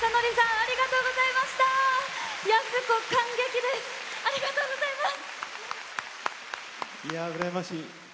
ありがとうございます！